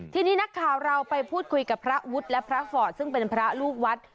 ทีนี้นักข่าวเราไปพูดคุยกับพระวุฒิและพระฟอร์ตซึ่งเป็นพระลูกวัด